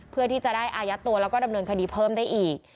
เพื่อที่จะได้อายัดตัวแล้วก็ดำเนินคดีเพิ่มได้อีก